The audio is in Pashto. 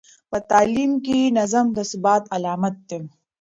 په تعلیم کې نظم د ثبات علامت دی.